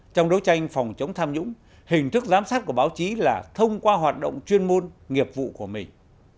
trong đấu tranh phòng chống tham nhũng hình thức giám sát của báo chí là thông qua hoạt động chuyên môn nghiệp vụ của mình